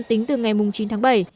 tính từ ngày chín tháng bảy